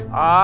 iya di bawah